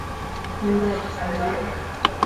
Nyumba ya kifahari